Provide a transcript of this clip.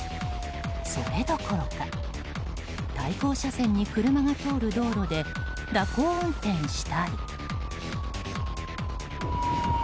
それどころか対向車線に車が通る道路で蛇行運転したり。